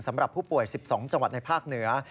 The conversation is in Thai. สำหรับผู้ป่วย๑๒จังหวัดในภาคเหนือ